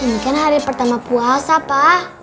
ini kan hari pertama puasa pak